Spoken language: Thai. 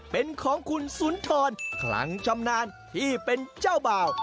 เป็นของคุณสุนทรคลังชำนาญที่เป็นเจ้าบ่าว